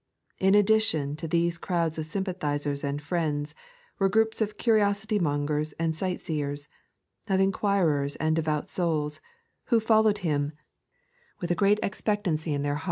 In addition to these crowds of sympathisers and friends were groups of curiosity mongers and sightseers, of inquirers and devout souls, who followed Him, with a great expectancy in their 3.